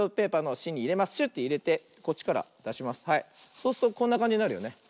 そうするとこんなかんじになるよね。